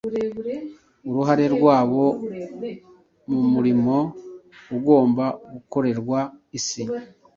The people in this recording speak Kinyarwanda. uruhare rwabo mu murimo ugomba gukorerwa isi,